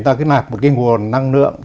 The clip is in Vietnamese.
ta cứ nạp một cái nguồn năng lượng